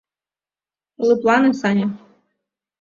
— Лыплане, Саня.